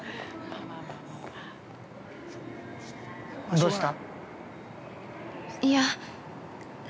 ◆どうした？